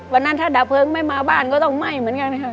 วันนั้นถ้าดับเพลิงไม่มาบ้านก็ต้องไหม้เหมือนกันค่ะ